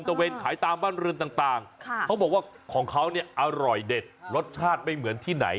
เวนขายตามบ้านเรือนต่างเขาบอกว่าของเขาเนี่ยอร่อยเด็ดรสชาติไม่เหมือนที่ไหน